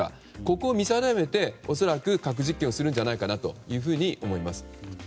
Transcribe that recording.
ここを見定めて核実験をするんじゃないかなと思います。